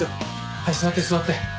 はい座って座って。